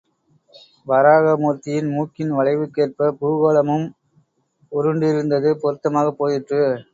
வராக மூர்த்தியின் மூக்கின் வளைவுக்கேற்ப பூகோளமும் உருண்டிருந்தது பொருத்தமாகப் போயிற்று.